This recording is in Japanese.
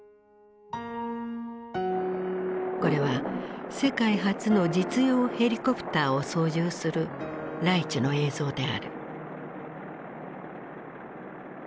これは世界初の実用ヘリコプターを操縦するライチュの映像である。